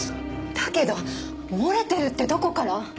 だけど漏れてるってどこから？